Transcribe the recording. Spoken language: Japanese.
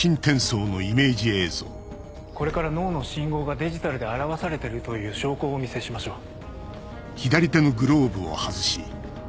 これから脳の信号がデジタルで表されてるという証拠をお見せしましょう。